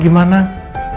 kamu mau aku ngomong jujur